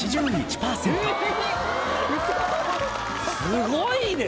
すごいね！